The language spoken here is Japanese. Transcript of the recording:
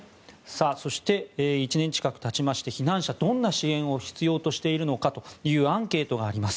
そして、１年近く経ちまして避難者どんな支援を必要としているのかアンケートがあります。